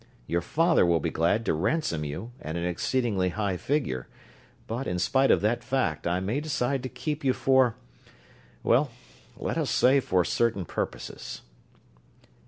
Your father will be glad to ransom you at an exceedingly high figure, but, in spite of that fact, I may decide to keep you for well, let us say for certain purposes."